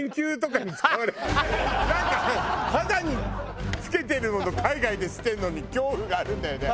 なんか肌に着けてるものを海外で捨てるのに恐怖があるんだよね。